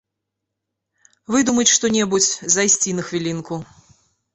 Выдумаць што-небудзь, зайсці на хвілінку.